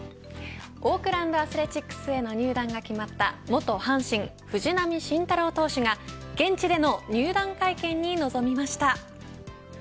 オークランド・アスレチックスへの入団が決まった元阪神、藤浪晋太郎投手が現地での入団会見に臨みました。